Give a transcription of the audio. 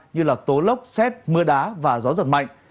như tố lốc xét mưa đá và gió giật mạnh